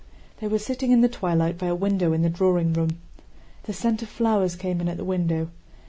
They were sitting in the twilight by a window in the drawing room. The scent of flowers came in at the window.